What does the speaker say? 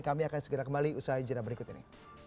kami akan segera kembali usaha jenah berikut ini